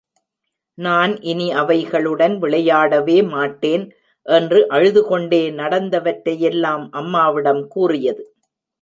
நான் இனி அவைகளுடன் விளையாடவே மாட்டேன். என்று அழுதுகொண்டே, நடந்தவற்றையெல்லாம் அம்மாவிடம் கூறியது.